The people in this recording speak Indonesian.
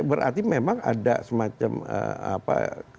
berarti memang ada semacam apa